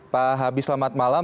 pak habib selamat malam